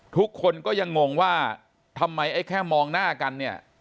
ทุกคนก็ยังงงว่าทำไมแค่มองหน้ากัน